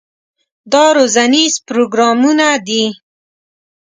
دا روزنیز پروګرامونه دي.